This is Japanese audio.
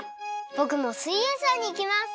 ぼくも「すイエんサー」にいきます！